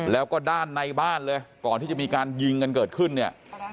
แล้วก็ด้านในบ้านเลยก่อนที่จะมีการยิงกันเกิดขึ้นเนี่ย